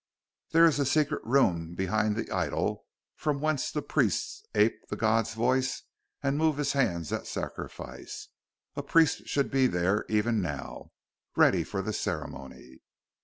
"There is a secret room behind the idol, from whence the priests ape the God's voice and move his hands at sacrifice. A priest should be there e'en now, ready for the ceremony.